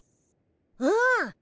うん。